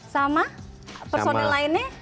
sama personel lainnya